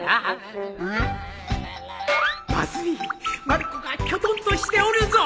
まる子がきょとんとしておるぞ